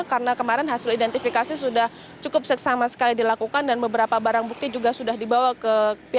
karena kemarin hasil identifikasi sudah cukup seksama sekali dilakukan dan beberapa barang bukti juga sudah dibawa ke pihak kepolisian polda jawa timur